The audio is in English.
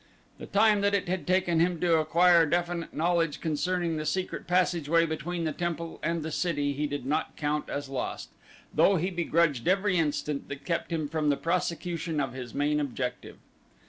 The time that it had taken him to acquire definite knowledge concerning the secret passageway between the temple and the city he did not count as lost, though he begrudged every instant that kept him from the prosecution of his main objective.